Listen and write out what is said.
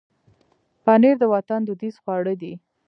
پنېر د وطن دودیز خواړه دي.